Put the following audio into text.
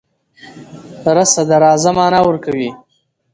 رڅه .د راځه معنی ورکوی